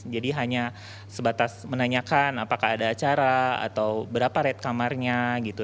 jadi hanya sebatas menanyakan apakah ada acara atau berapa rate kamarnya gitu